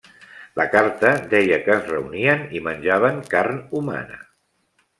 La carta deia que es reunien i menjaven carn humana.